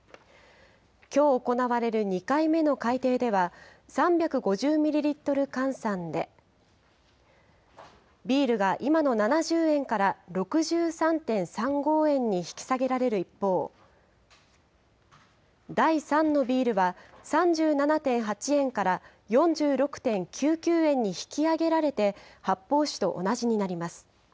きょう行われる２回目の改定では、３５０ミリリットル換算で、ビールが今の７０円から６３．３５円に引き下げられる一方、第３のビールは３７．８円から４６．９９円に引き上げられて、発泡酒と同じになります。